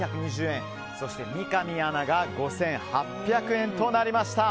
そして三上アナが５８００円となりました。